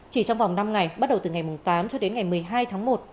chỉ trong vòng năm ngày bắt đầu từ ngày tám cho đến ngày một mươi hai tháng một